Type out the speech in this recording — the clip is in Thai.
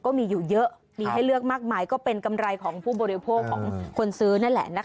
ก็มีอยู่เยอะมีให้เลือกมากมายก็เป็นกำไรของผู้บริโภคของคนซื้อนั่นแหละนะคะ